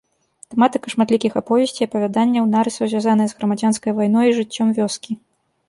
Тэматыка шматлікіх аповесцей, апавяданняў, нарысаў звязаная з грамадзянскай вайной і жыццём вёскі.